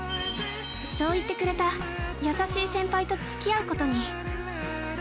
◆そう言ってくれた優しい先輩とつき合うことに。